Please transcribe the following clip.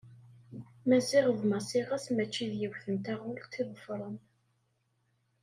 Maziɣ d Massi ɣas mačči d yiwet n taɣult i ḍeffren.